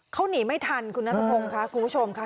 เขาหนีไม่ทันคุณนัทพงศ์ค่ะคุณผู้ชมค่ะ